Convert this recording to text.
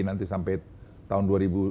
nanti sampai tahun dua ribu delapan belas